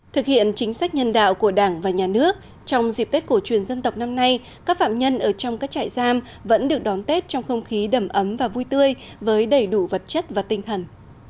thực hiện chính sách nhân đạo của đảng và nhà nước trong dịp tết cổ truyền dân tộc năm nay các phạm nhân ở trong các trại giam vẫn được đón tết trong không khí đầm ấm và vui tươi với đầy đủ vật chất và tinh thần